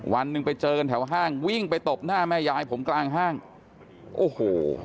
วันหนึ่งไปเจอกันแถวห้างวิ่งไปตบหน้าแม่ยายผมกลางห้างโอ้โห